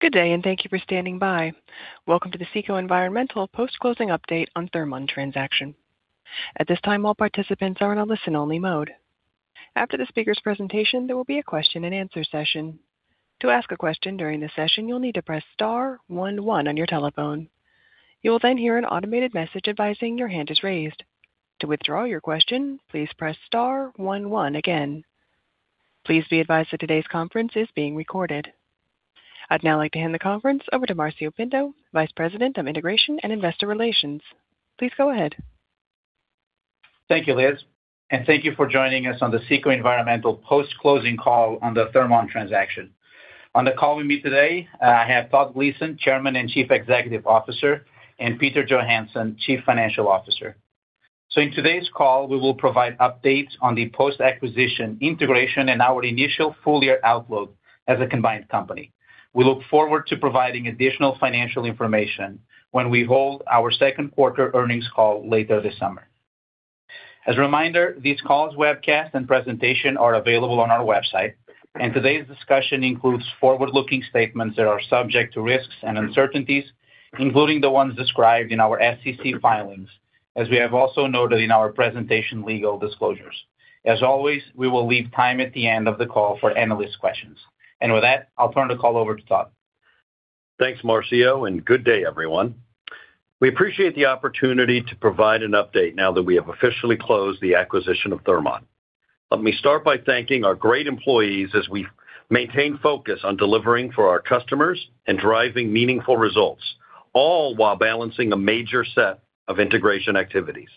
Good day. Thank you for standing by. Welcome to the CECO Environmental post-closing update on Thermon transaction. At this time, all participants are in a listen-only mode. After the speaker's presentation, there will be a question and answer session. To ask a question during the session, you'll need to press star one one on your telephone. You will hear an automated message advising your hand is raised. To withdraw your question, please press star one one again. Please be advised that today's conference is being recorded. I'd now like to hand the conference over to Marcio Pinto, Vice President of Integration and Investor Relations. Please go ahead. Thank you, Liz. Thank you for joining us on the CECO Environmental post-closing call on the Thermon transaction. On the call with me today, I have Todd Gleason, Chairman and Chief Executive Officer, and Peter Johansson, Chief Financial Officer. In today's call, we will provide updates on the post-acquisition integration and our initial full-year outlook as a combined company. We look forward to providing additional financial information when we hold our second quarter earnings call later this summer. As a reminder, this call's webcast and presentation are available on our website. Today's discussion includes forward-looking statements that are subject to risks and uncertainties, including the ones described in our SEC filings, as we have also noted in our presentation legal disclosures. As always, we will leave time at the end of the call for analyst questions. With that, I'll turn the call over to Todd. Thanks, Marcio. Good day, everyone. We appreciate the opportunity to provide an update now that we have officially closed the acquisition of Thermon. Let me start by thanking our great employees as we maintain focus on delivering for our customers and driving meaningful results, all while balancing a major set of integration activities.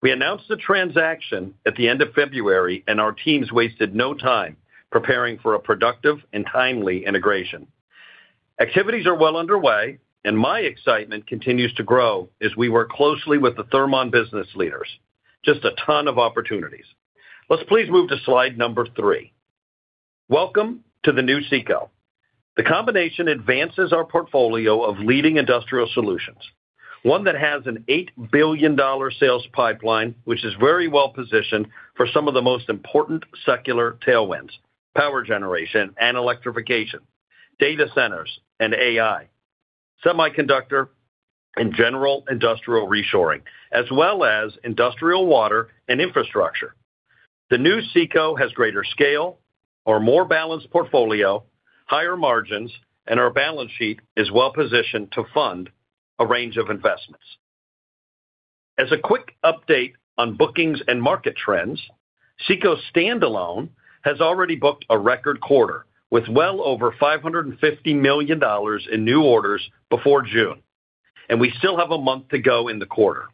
We announced the transaction at the end of February. Our teams wasted no time preparing for a productive and timely integration. Activities are well underway. My excitement continues to grow as we work closely with the Thermon business leaders. Just a ton of opportunities. Let's please move to slide number three. Welcome to the new CECO. The combination advances our portfolio of leading industrial solutions, one that has an $8 billion sales pipeline, which is very well-positioned for some of the most important secular tailwinds: power generation and electrification, data centers and AI, semiconductor and general industrial reshoring, as well as industrial water and infrastructure. The new CECO has greater scale or more balanced portfolio, higher margins. Our balance sheet is well-positioned to fund a range of investments. As a quick update on bookings and market trends, CECO standalone has already booked a record quarter with well over $550 million in new orders before June. We still have a month to go in the quarter.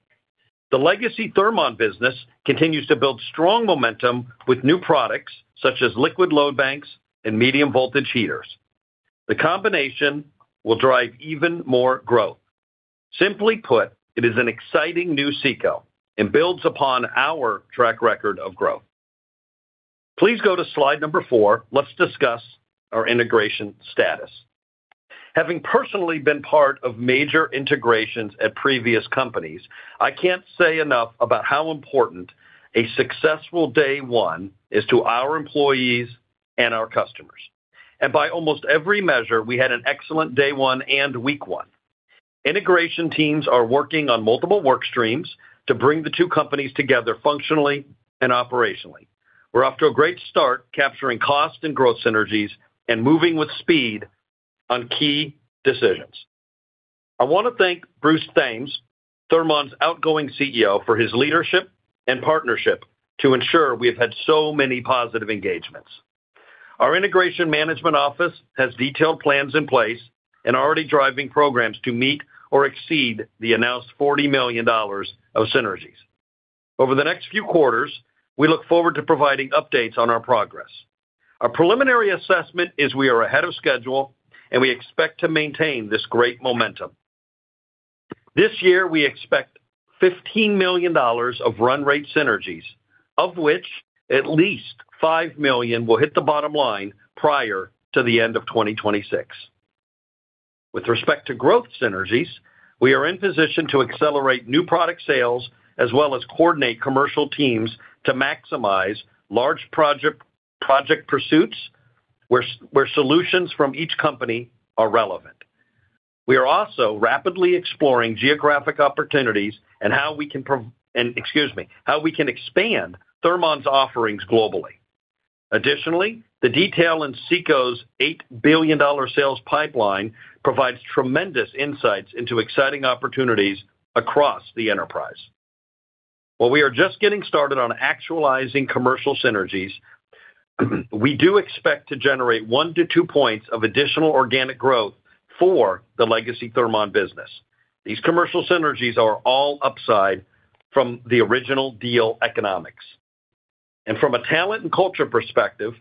The legacy Thermon business continues to build strong momentum with new products such as Liquid Load Banks and Medium Voltage Process Heaters. The combination will drive even more growth. Simply put, it is an exciting new CECO and builds upon our track record of growth. Please go to slide number four. Let's discuss our integration status. Having personally been part of major integrations at previous companies, I can't say enough about how important a successful day one is to our employees and our customers. By almost every measure, we had an excellent day one and week one. Integration teams are working on multiple work streams to bring the two companies together functionally and operationally. We're off to a great start capturing cost and growth synergies and moving with speed on key decisions. I want to thank Bruce Thames, Thermon's outgoing CEO, for his leadership and partnership to ensure we have had so many positive engagements. Our integration management office has detailed plans in place and already driving programs to meet or exceed the announced $40 million of synergies. Over the next few quarters, we look forward to providing updates on our progress. Our preliminary assessment is we are ahead of schedule, and we expect to maintain this great momentum. This year, we expect $15 million of run rate synergies, of which at least $5 million will hit the bottom line prior to the end of 2026. With respect to growth synergies, we are in position to accelerate new product sales as well as coordinate commercial teams to maximize large project pursuits where solutions from each company are relevant. We are also rapidly exploring geographic opportunities and how we can expand Thermon's offerings globally. Additionally, the detail in CECO's $8 billion sales pipeline provides tremendous insights into exciting opportunities across the enterprise. While we are just getting started on actualizing commercial synergies, we do expect to generate one to two points of additional organic growth for the legacy Thermon business. These commercial synergies are all upside from the original deal economics. From a talent and culture perspective,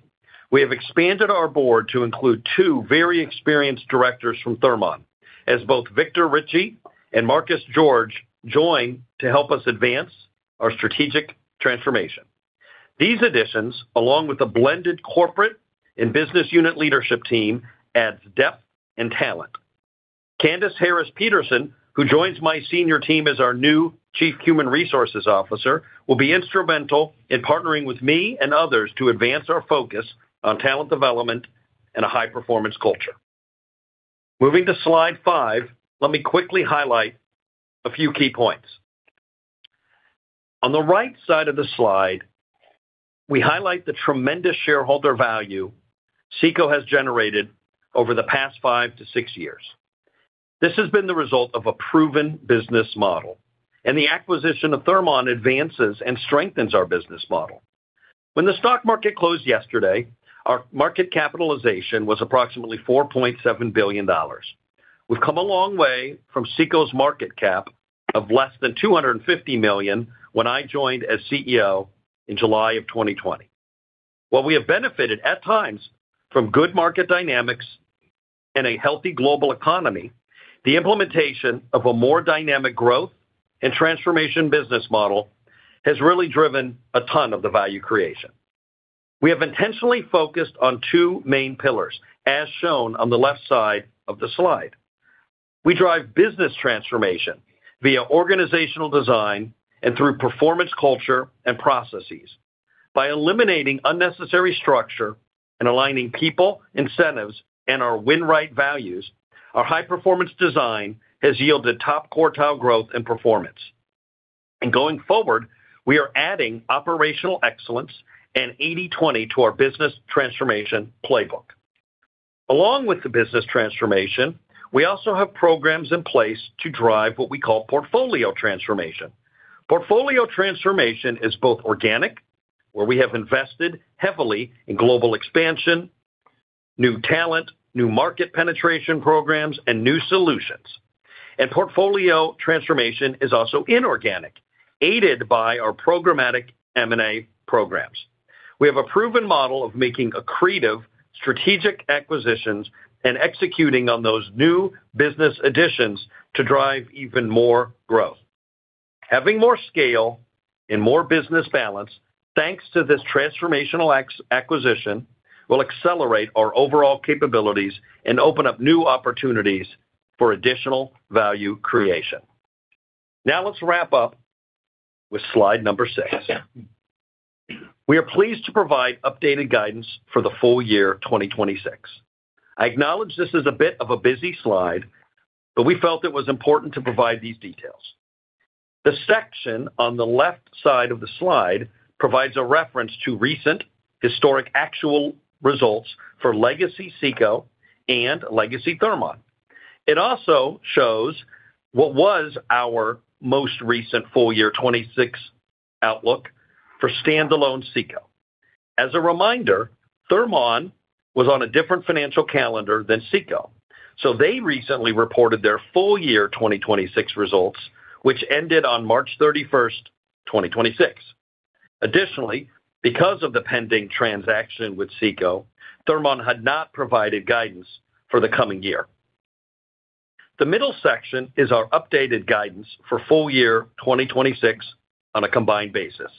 we have expanded our board to include two very experienced directors from Thermon, as both Victor Richey and Marcus George join to help us advance our strategic transformation. These additions, along with the blended corporate and business unit leadership team, adds depth and talent. Candace Harris-Peterson, who joins my senior team as our new Chief Human Resources Officer, will be instrumental in partnering with me and others to advance our focus on talent development and a high-performance culture. Moving to slide five, let me quickly highlight a few key points. On the right side of the slide, we highlight the tremendous shareholder value CECO has generated over the past five to six years. This has been the result of a proven business model. The acquisition of Thermon advances and strengthens our business model. When the stock market closed yesterday, our market capitalization was approximately $4.7 billion. We've come a long way from CECO's market cap of less than $250 million when I joined as CEO in July of 2020. While we have benefited at times from good market dynamics and a healthy global economy, the implementation of a more dynamic growth and transformation business model has really driven a ton of the value creation. We have intentionally focused on two main pillars, as shown on the left side of the slide. We drive business transformation via organizational design and through performance culture and processes. By eliminating unnecessary structure and aligning people, incentives, and our Win Right values, our high-performance design has yielded top-quartile growth and performance. Going forward, we are adding operational excellence and 80/20 to our business transformation playbook. Along with the business transformation, we also have programs in place to drive what we call portfolio transformation. Portfolio transformation is both organic, where we have invested heavily in global expansion, new talent, new market penetration programs, and new solutions. Portfolio transformation is also inorganic, aided by our programmatic M&A programs. We have a proven model of making accretive strategic acquisitions and executing on those new business additions to drive even more growth. Having more scale and more business balance, thanks to this transformational acquisition, will accelerate our overall capabilities and open up new opportunities for additional value creation. Now let's wrap up with slide number six. We are pleased to provide updated guidance for the full year 2026. I acknowledge this is a bit of a busy slide, but we felt it was important to provide these details. The section on the left side of the slide provides a reference to recent historic actual results for legacy CECO and legacy Thermon. It also shows what was our most recent full year 2026 outlook for standalone CECO. As a reminder, Thermon was on a different financial calendar than CECO, so they recently reported their full year 2026 results, which ended on March 31st, 2026. Additionally, because of the pending transaction with CECO, Thermon had not provided guidance for the coming year. The middle section is our updated guidance for full year 2026 on a combined basis.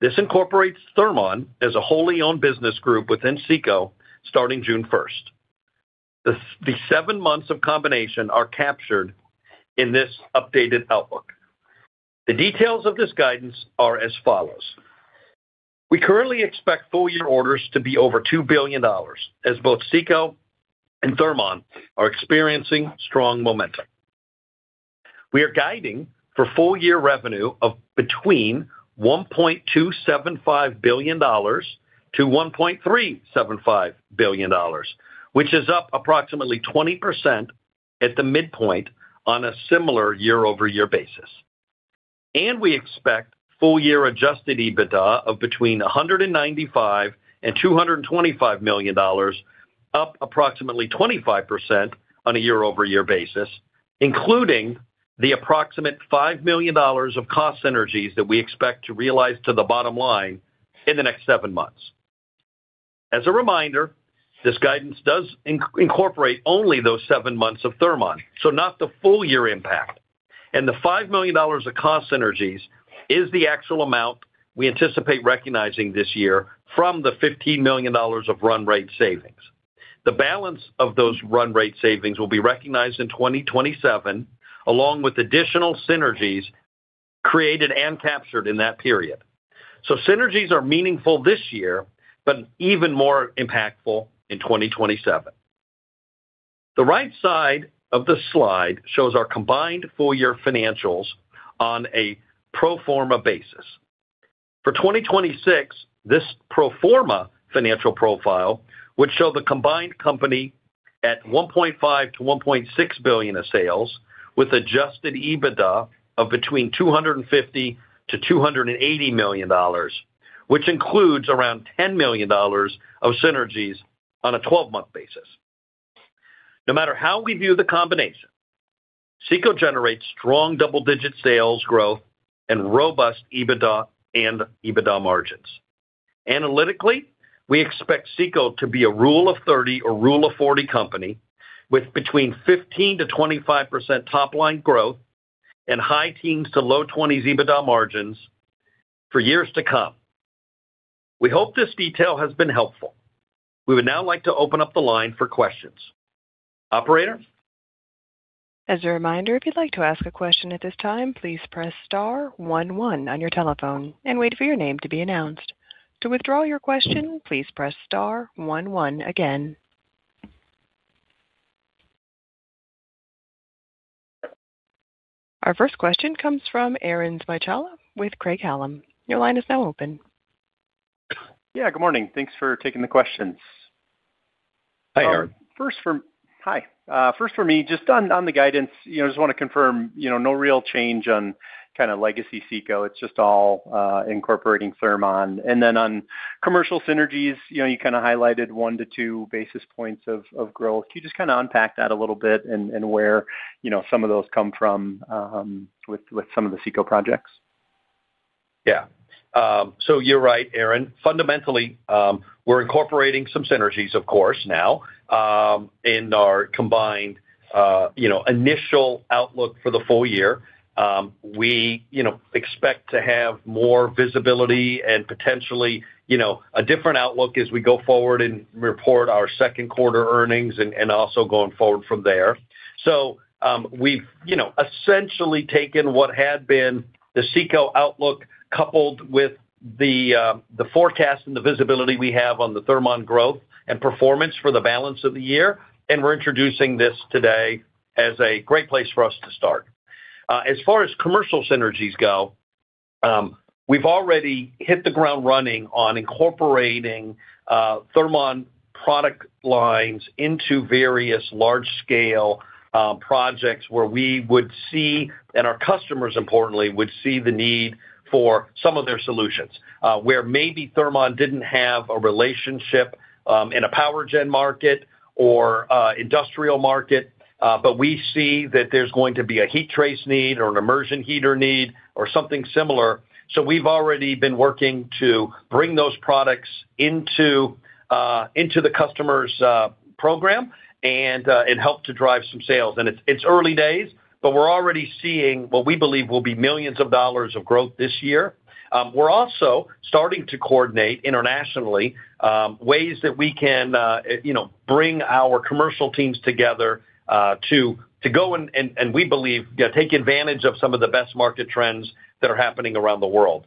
This incorporates Thermon as a wholly owned business group within CECO starting June 1st, 2026. The seven months of combination are captured in this updated outlook. The details of this guidance are as follows. We currently expect full year orders to be over $2 billion, as both CECO and Thermon are experiencing strong momentum. We are guiding for full year revenue of between $1.275 billion- $1.375 billion, which is up approximately 20% at the midpoint on a similar year-over-year basis. We expect full year adjusted EBITDA of between $195 million and $225 million, up approximately 25% on a year-over-year basis, including the approximate $5 million of cost synergies that we expect to realize to the bottom line in the next seven months. As a reminder, this guidance does incorporate only those seven months of Thermon, so not the full year impact. The $5 million of cost synergies is the actual amount we anticipate recognizing this year from the $15 million of run rate savings. The balance of those run rate savings will be recognized in 2027, along with additional synergies created and captured in that period. Synergies are meaningful this year, but even more impactful in 2027. The right side of the slide shows our combined full year financials on a pro forma basis. For 2026, this pro forma financial profile would show the combined company at $1.5 billion-$1.6 billion of sales, with adjusted EBITDA of between $250 million-$280 million, which includes around $10 million of synergies on a 12-month basis. No matter how we view the combination, CECO generates strong double-digit sales growth and robust EBITDA and EBITDA margins. Analytically, we expect CECO to be a rule of 30 or rule of 40 company with between 15%-25% top-line growth and high teens to low 20s EBITDA margins for years to come. We hope this detail has been helpful. We would now like to open up the line for questions. Operator? As a reminder, if you'd like to ask a question at this time, please press star one one on your telephone and wait for your name to be announced. To withdraw your question, please press star one one again. Our first question comes from Aaron Spychalla with Craig-Hallum. Your line is now open. Yeah, good morning. Thanks for taking the questions. Hi, Aaron. Hi. First for me, just on the guidance, just want to confirm, no real change on kind of legacy CECO. It's just all incorporating Thermon. On commercial synergies, you kind of highlighted 1 basis points-2 basis points of growth. Can you just kind of unpack that a little bit and where some of those come from with some of the CECO projects? Yeah. You're right, Aaron. Fundamentally, we're incorporating some synergies, of course, now, in our combined initial outlook for the full year. We expect to have more visibility and potentially a different outlook as we go forward and report our second quarter earnings and also going forward from there. We've essentially taken what had been the CECO outlook coupled with the forecast and the visibility we have on the Thermon growth and performance for the balance of the year, and we're introducing this today as a great place for us to start. As far as commercial synergies go, we've already hit the ground running on incorporating Thermon product lines into various large-scale projects where we would see, and our customers importantly, would see the need for some of their solutions. Where maybe Thermon didn't have a relationship in a power gen market or industrial market, but we see that there's going to be a heat trace need or an immersion heater need or something similar. We've already been working to bring those products into the customer's program and help to drive some sales. It's early days, but we're already seeing what we believe will be millions of dollars of growth this year. We're also starting to coordinate internationally, ways that we can bring our commercial teams together, to go and we believe take advantage of some of the best market trends that are happening around the world.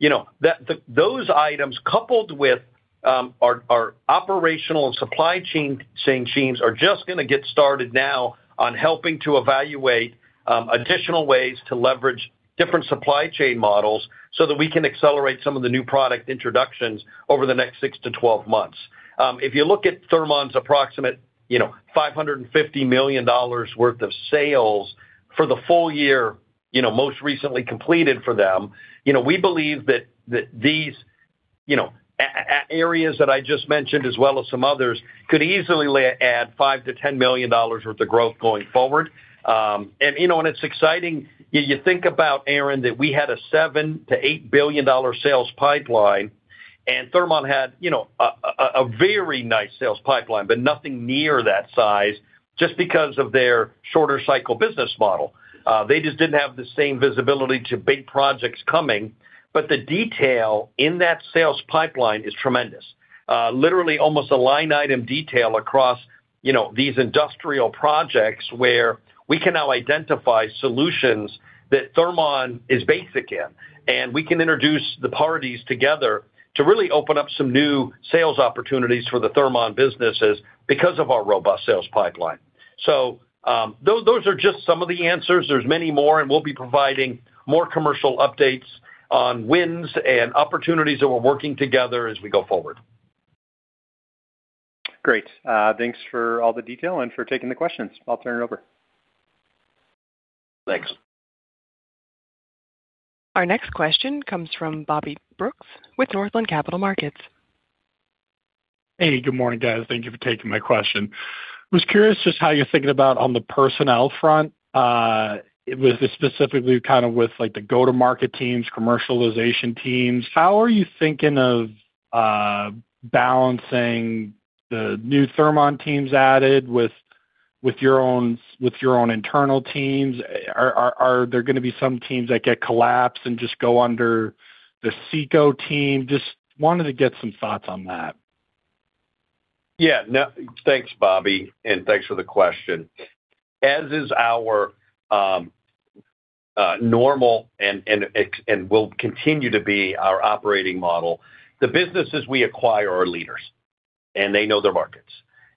Those items, coupled with our operational and supply chain teams are just going to get started now on helping to evaluate additional ways to leverage different supply chain models so that we can accelerate some of the new product introductions over the next 6-12 months. If you look at Thermon's approximate $550 million worth of sales for the full year, most recently completed for them, we believe that these areas that I just mentioned, as well as some others, could easily add $5 million-$10 million worth of growth going forward. It's exciting. You think about, Aaron, that we had a $7 billion-$8 billion sales pipeline, and Thermon had a very nice sales pipeline, but nothing near that size just because of their shorter cycle business model. They just didn't have the same visibility to big projects coming. The detail in that sales pipeline is tremendous. Literally almost a line item detail across these industrial projects where we can now identify solutions that Thermon is basic in, and we can introduce the parties together to really open up some new sales opportunities for the Thermon businesses because of our robust sales pipeline. Those are just some of the answers. There's many more, and we'll be providing more commercial updates on wins and opportunities that we're working together as we go forward. Great. Thanks for all the detail and for taking the questions. I'll turn it over. Thanks. Our next question comes from Bobby Brooks with Northland Capital Markets. Hey, good morning, guys. Thank you for taking my question. I was curious just how you're thinking about on the personnel front, with specifically kind of with the go-to-market teams, commercialization teams. How are you thinking of balancing the new Thermon teams added with your own internal teams? Are there going to be some teams that get collapsed and just go under the CECO team? Just wanted to get some thoughts on that. Thanks, Bobby, and thanks for the question. As is our normal and will continue to be our operating model, the businesses we acquire are leaders, and they know their markets.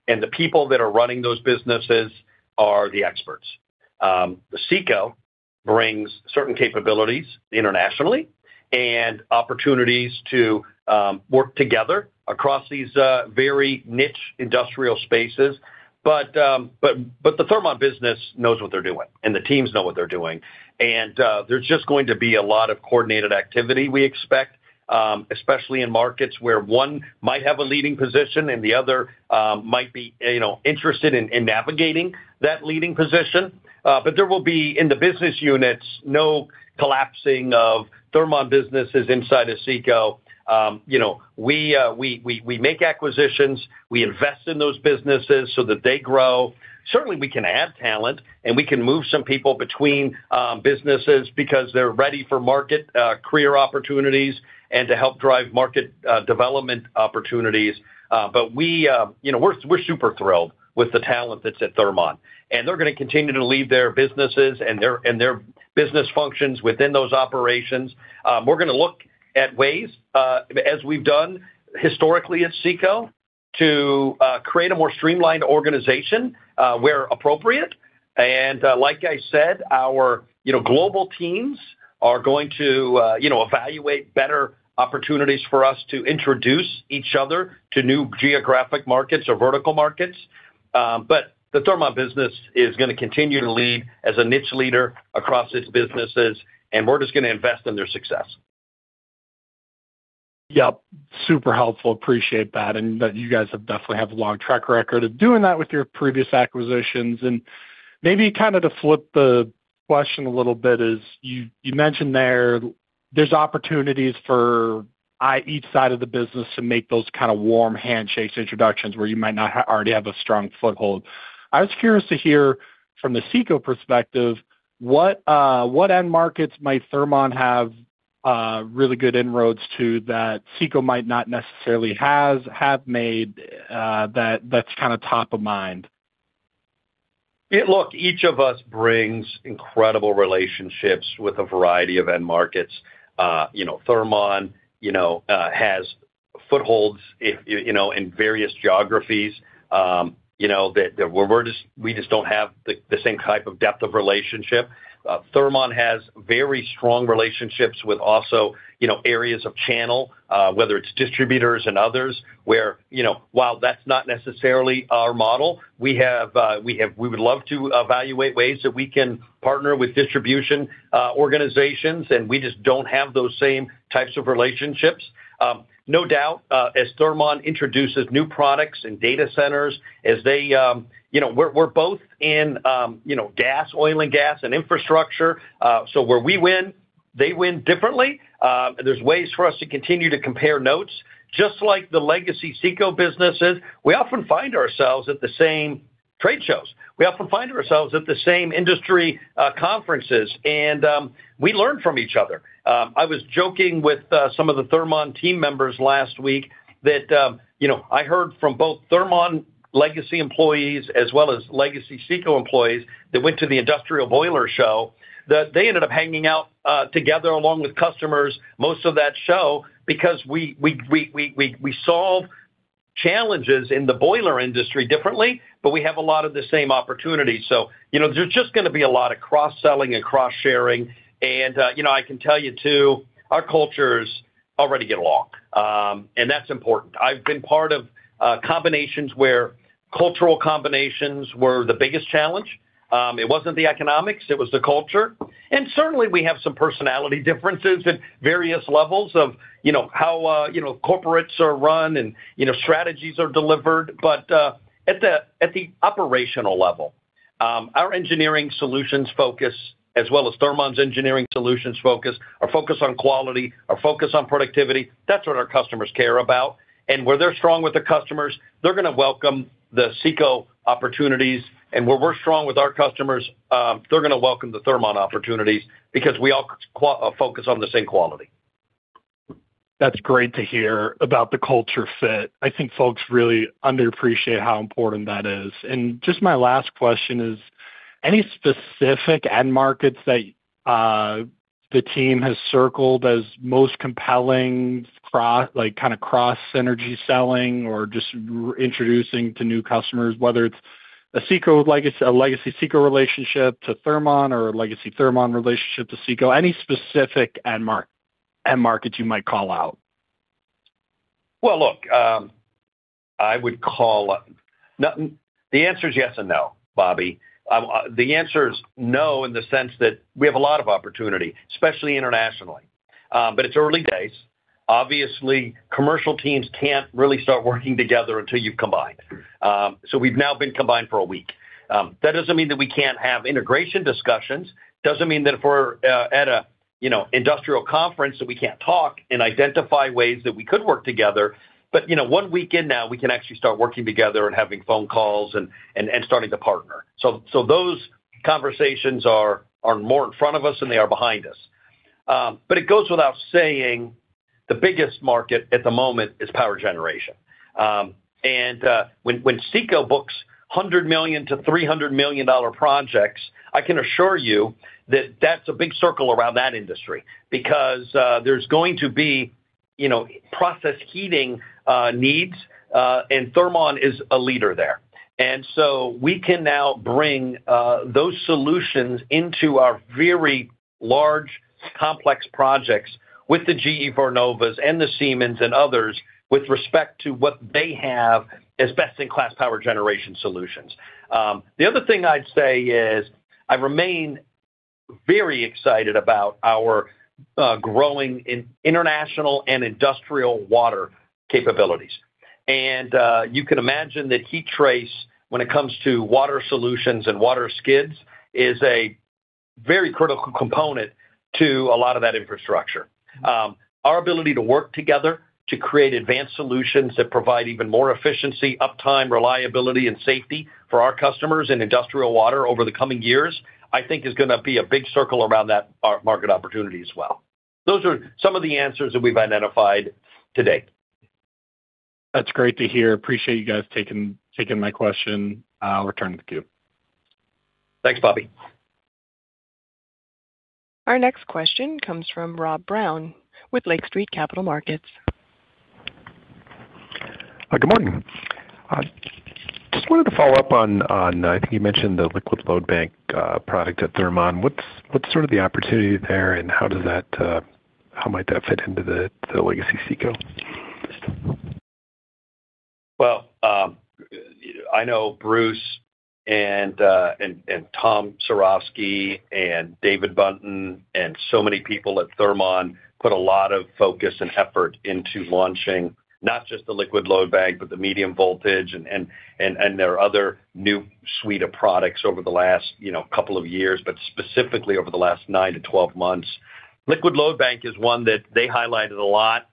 The people that are running those businesses are the experts. CECO brings certain capabilities internationally and opportunities to work together across these very niche industrial spaces. The Thermon business knows what they're doing, and the teams know what they're doing. There's just going to be a lot of coordinated activity we expect, especially in markets where one might have a leading position and the other might be interested in navigating that leading position. There will be, in the business units, no collapsing of Thermon businesses inside of CECO. We make acquisitions. We invest in those businesses so that they grow. Certainly, we can add talent, and we can move some people between businesses because they're ready for market career opportunities and to help drive market development opportunities. We're super thrilled with the talent that's at Thermon, and they're going to continue to lead their businesses and their business functions within those operations. We're going to look at ways, as we've done historically at CECO, to create a more streamlined organization where appropriate. Like I said, our global teams are going to evaluate better opportunities for us to introduce each other to new geographic markets or vertical markets. The Thermon business is going to continue to lead as a niche leader across its businesses, and we're just going to invest in their success. Yep. Super helpful. Appreciate that. You guys definitely have a long track record of doing that with your previous acquisitions. Maybe to flip the question a little bit is, you mentioned there's opportunities for each side of the business to make those kind of warm handshake introductions where you might not already have a strong foothold. I was curious to hear from the CECO perspective, what end markets might Thermon have really good inroads to that CECO might not necessarily have made that's top of mind? Look, each of us brings incredible relationships with a variety of end markets. Thermon has footholds in various geographies that we just don't have the same type of depth of relationship. Thermon has very strong relationships with also areas of channel, whether it's distributors and others, where while that's not necessarily our model, we would love to evaluate ways that we can partner with distribution organizations, and we just don't have those same types of relationships. No doubt, as Thermon introduces new products and data centers, we're both in oil and gas, and infrastructure. Where we win, they win differently. There's ways for us to continue to compare notes. Just like the legacy CECO businesses, we often find ourselves at the same trade shows. We often find ourselves at the same industry conferences. We learn from each other. I was joking with some of the Thermon team members last week that I heard from both Thermon legacy employees as well as legacy CECO employees that went to the Industrial Boiler show, that they ended up hanging out together along with customers most of that show because we solve challenges in the boiler industry differently, but we have a lot of the same opportunities. There's just going to be a lot of cross-selling and cross-sharing. I can tell you, too, our cultures already get along. That's important. I've been part of combinations where cultural combinations were the biggest challenge. It wasn't the economics, it was the culture. Certainly, we have some personality differences at various levels of how corporates are run and strategies are delivered. At the operational level, our engineering solutions focus as well as Thermon's engineering solutions focus, our focus on quality, our focus on productivity, that's what our customers care about. Where they're strong with the customers, they're going to welcome the CECO opportunities, and where we're strong with our customers, they're going to welcome the Thermon opportunities because we all focus on the same quality. That's great to hear about the culture fit. I think folks really underappreciate how important that is. Just my last question is, any specific end markets that the team has circled as most compelling kind of cross synergy selling or just introducing to new customers, whether it's a legacy CECO relationship to Thermon or a legacy Thermon relationship to CECO? Any specific end markets you might call out? Look, the answer is yes and no, Bobby. The answer is no in the sense that we have a lot of opportunity, especially internationally. It's early days. Obviously, commercial teams can't really start working together until you've combined. We've now been combined for one week. That doesn't mean that we can't have integration discussions, doesn't mean that if we're at an industrial conference that we can't talk and identify ways that we could work together. One week in now, we can actually start working together and having phone calls and starting to partner. Those conversations are more in front of us than they are behind us. It goes without saying, the biggest market at the moment is power generation. When CECO books $100 million-$300 million projects, I can assure you that that's a big circle around that industry because there's going to be process heating needs, and Thermon is a leader there. We can now bring those solutions into our very large, complex projects with the GE Vernova and the Siemens and others with respect to what they have as best-in-class power generation solutions. The other thing I'd say is I remain very excited about our growing international and industrial water capabilities. You can imagine that heat trace, when it comes to water solutions and water skids, is a very critical component to a lot of that infrastructure. Our ability to work together to create advanced solutions that provide even more efficiency, uptime, reliability, and safety for our customers in industrial water over the coming years, I think is going to be a big circle around that market opportunity as well. Those are some of the answers that we've identified today. That's great to hear. Appreciate you guys taking my question. I'll return the queue. Thanks, Bobby. Our next question comes from Rob Brown with Lake Street Capital Markets. Good morning. Just wanted to follow up on, I think you mentioned the Liquid Load Bank product at Thermon. What's sort of the opportunity there, and how might that fit into the legacy CECO? I know Bruce and Thomas Cerovski and David Buntin, and so many people at Thermon put a lot of focus and effort into launching not just the Liquid Load Bank, but the Medium Voltage and their other new suite of products over the last couple of years, but specifically over the last 9-12 months. Liquid Load Bank is one that they highlighted a lot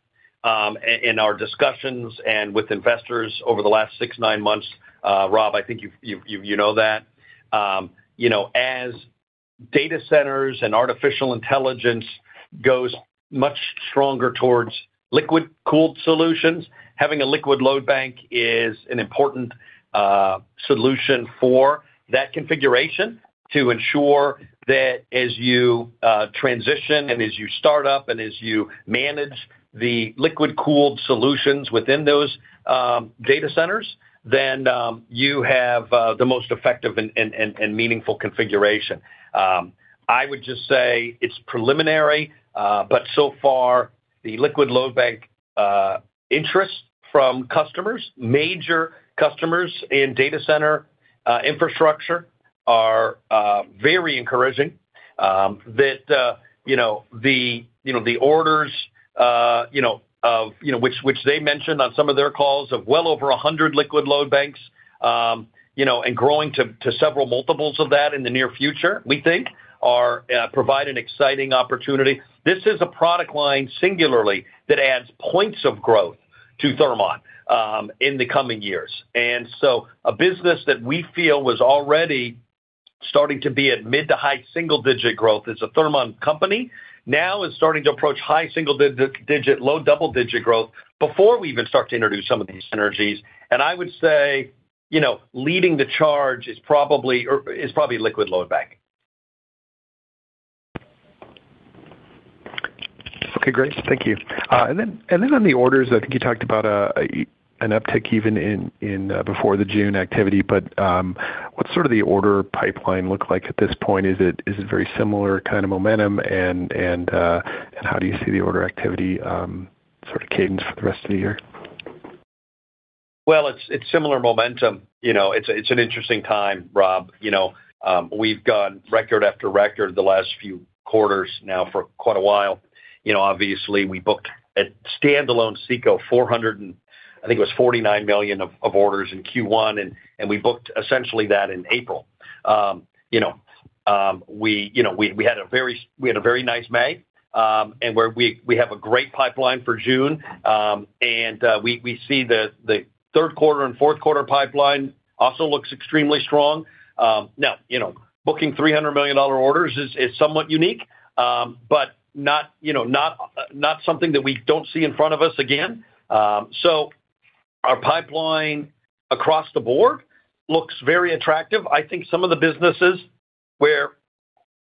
in our discussions and with investors over the last six, nine months. Rob, I think you know that. As data centers and Artificial Intelligence goes much stronger towards liquid-cooled solutions, having a Liquid Load Bank is an important solution for that configuration to ensure that as you transition and as you start up and as you manage the liquid-cooled solutions within those data centers, then you have the most effective and meaningful configuration. I would just say it's preliminary. So far, the Liquid Load Bank interest from customers, major customers in data center infrastructure are very encouraging. That the orders which they mentioned on some of their calls of well over 100 Liquid Load Banks, and growing to several multiples of that in the near future, we think, provide an exciting opportunity. This is a product line singularly that adds points of growth to Thermon in the coming years. A business that we feel was already starting to be at mid-to-high single-digit growth as a Thermon company, now is starting to approach high single-digit, low double-digit growth before we even start to introduce some of these synergies. I would say, leading the charge is probably Liquid Load Banking. Okay, great. Thank you. On the orders, I think you talked about an uptick even before the June activity, but what's sort of the order pipeline look like at this point? Is it very similar kind of momentum, and how do you see the order activity sort of cadence for the rest of the year? It's similar momentum. It's an interesting time, Rob. We've gone record after record the last few quarters now for quite a while. Obviously, we booked at standalone CECO $449 million of orders in Q1, and we booked essentially that in April. We had a very nice May, and we have a great pipeline for June. We see the third quarter and fourth quarter pipeline also looks extremely strong. Booking $300 million orders is somewhat unique, but not something that we don't see in front of us again. Our pipeline across the board looks very attractive. I think some of the businesses where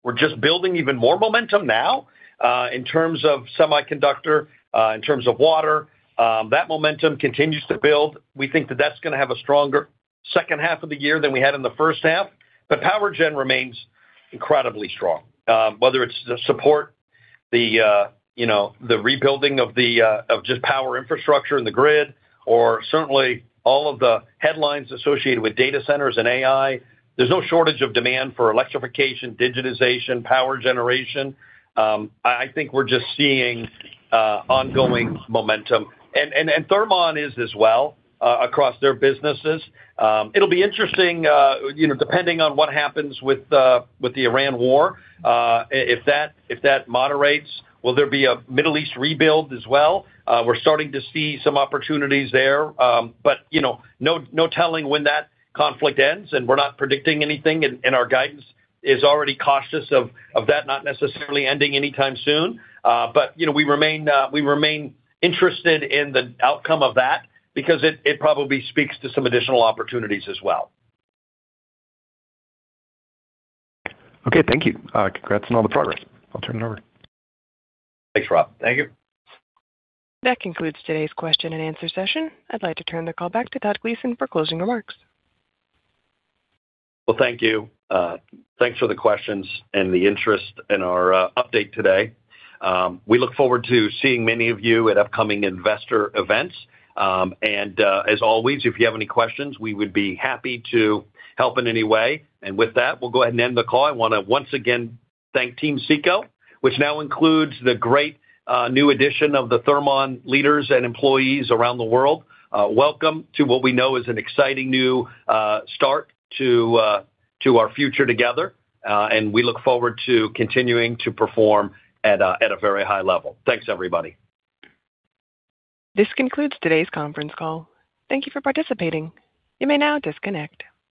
we're just building even more momentum now, in terms of semiconductor, in terms of water, that momentum continues to build. We think that that's going to have a stronger second half of the year than we had in the first half. Power gen remains incredibly strong. Whether it's the support, the rebuilding of just power infrastructure and the grid, or certainly all of the headlines associated with data centers and AI, there's no shortage of demand for electrification, digitization, power generation. I think we're just seeing ongoing momentum. Thermon is as well across their businesses. It'll be interesting depending on what happens with the Iran war. If that moderates, will there be a Middle East rebuild as well? We're starting to see some opportunities there. No telling when that conflict ends, and we're not predicting anything, and our guidance is already cautious of that not necessarily ending anytime soon. We remain interested in the outcome of that because it probably speaks to some additional opportunities as well. Okay, thank you. Congrats on all the progress. I'll turn it over. Thanks, Rob. Thank you. That concludes today's question and answer session. I'd like to turn the call back to Todd Gleason for closing remarks. Well, thank you. Thanks for the questions and the interest in our update today. We look forward to seeing many of you at upcoming investor events. As always, if you have any questions, we would be happy to help in any way. With that, we'll go ahead and end the call. I want to once again thank Team CECO, which now includes the great new addition of the Thermon leaders and employees around the world. Welcome to what we know is an exciting new start to our future together. We look forward to continuing to perform at a very high level. Thanks, everybody. This concludes today's conference call. Thank you for participating. You may now disconnect.